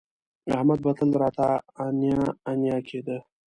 احمد به تل راته انیا انیا کېده